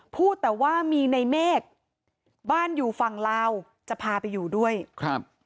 พูดแต่ว่ามีในเมฆบ้านอยู่ฝั่งลาวจะพาไปอยู่ด้วยครับ